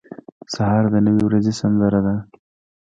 سهار د نوې ورځې سندره ده.